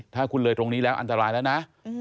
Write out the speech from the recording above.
ถ้าคุณเลยตรงนี้แล้วอันตรายแล้วนะ